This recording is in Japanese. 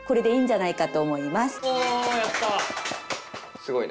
すごいね。